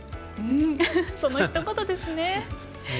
そのひと言ですね。